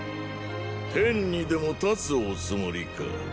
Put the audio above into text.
天にでも立つおつもりか。